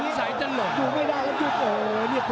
โอ้โหโอ้โหโอ้โหโอ้โหโอ้โหโอ้โห